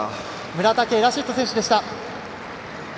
村竹ラシッド選手でした。